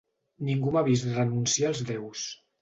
Ningú m'ha vist renunciar als déus.